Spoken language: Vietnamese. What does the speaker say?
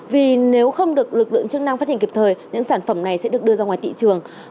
vì nếu không được lực lượng chức năng phát hiện kịp thời những sản phẩm này sẽ được đưa ra ngoài thị trường